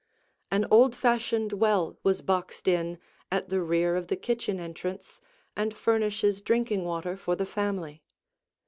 An old fashioned well was boxed in, at the rear of the kitchen entrance, and furnishes drinking water for the family.